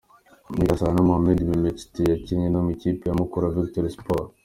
Uyu Gasana Mohamed "Mémé" Tchite yakinnye no mu ikipe ya Mukura Victory Sport.